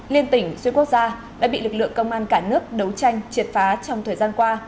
liên tỉnh xuyên quốc gia đã bị lực lượng công an cả nước đấu tranh triệt phá trong thời gian qua